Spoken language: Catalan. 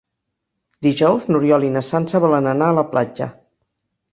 Dijous n'Oriol i na Sança volen anar a la platja.